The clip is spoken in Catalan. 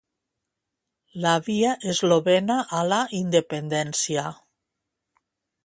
La via eslovena a la independència